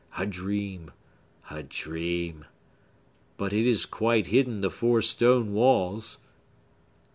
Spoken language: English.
A dream! A dream! But it has quite hidden the four stone walls!"